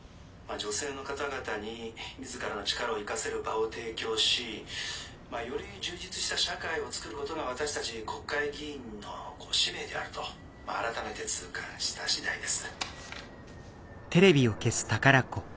女性の方々に自らの力を生かせる場を提供しより充実した社会をつくることが私たち国会議員の使命であると改めて痛感した次第です」。